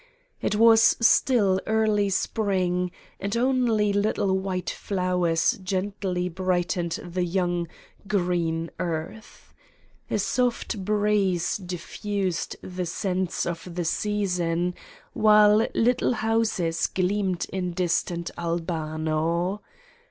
It was still early Sprmg and only little white flowers gently brightened the young, green earth. A soft breeze diffused the scents of the season, while little houses gleamed in distant Albano.